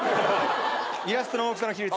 イラストの大きさの比率を。